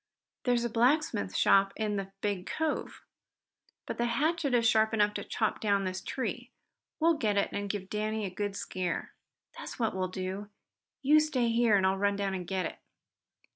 There's a blacksmith shop in the big cove. But the hatchet is sharp enough to chop down this tree. We'll get it and give Danny a good scare." "That's what we will. You stay here and I'll run down and get it."